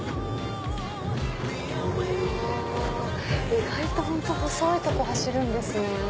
意外と本当細いとこ走るんですね。